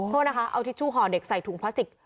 โทษนะคะเอาทิชชู่ห่อเด็กใส่ถุงพลาสติก